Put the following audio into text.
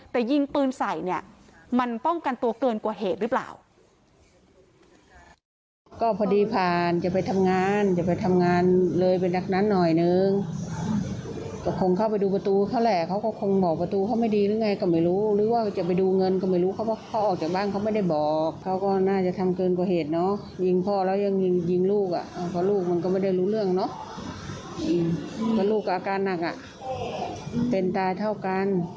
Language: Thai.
แต่ยิงปืนใส่เนี่ยมันป้องกันตัวเกินกว่าเหตุหรือเปล่า